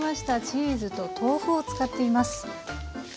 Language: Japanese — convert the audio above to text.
チーズと豆腐を使っています。